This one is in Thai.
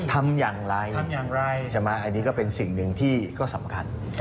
ทำอย่างไรใช่ไหมอันนี้ก็เป็นสิ่งหนึ่งที่ก็สำคัญ